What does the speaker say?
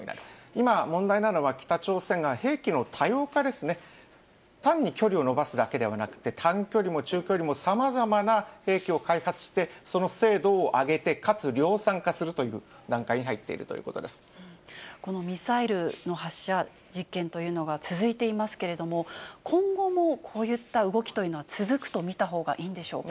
今問題なのは、北朝鮮が兵器の多様化ですね、単に距離を伸ばすだけではなくて、短距離も中距離も、さまざまな兵器を開発して、その精度を上げて、かつ量産化するという段階に入っこのミサイルの発射実験というのが続いていますけれども、今後もこういった動きというのは、続くと見たほうがいいんでしょうか。